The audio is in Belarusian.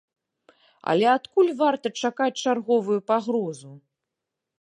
Але адкуль варта чакаць чарговую пагрозу?